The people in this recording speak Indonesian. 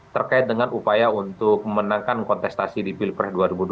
terkait dengan upaya untuk memenangkan kontestasi di pilpres dua ribu dua puluh